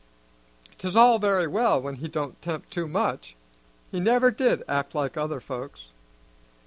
'Tis all very well when he don't 'tempt too much. He never did act like other folks."